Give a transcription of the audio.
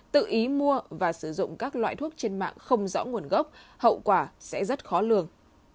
tự ý mua và sử dụng các loại thuốc trên mạng không rõ nguồn gốc hậu quả sẽ rất khó lường